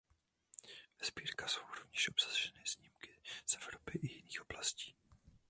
Ve sbírkách jsou rovněž obsaženy snímky z Evropy i jiných oblastí.